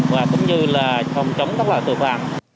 và cũng như là phòng chống các loại tội phạm